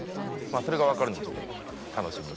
それが分かるのもちょっと楽しみにしてます。